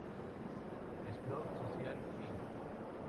Sprout Social, Inc.